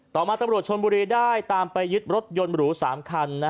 ต่อมาตำรวจชนบุรีได้ตามไปยึดรถยนต์หรู๓คัน